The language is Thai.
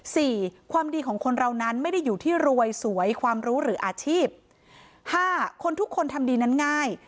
สี่ความดีของคนเรานั้นไม่ได้อยู่ที่รวยสวยความรู้หรืออาชีพห้าคนทุกคนทำดีนั้นง่าย